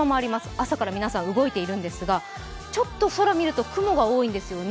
朝から皆さん動いているんですが、ちょっと空を見ると雲が多いんですよね。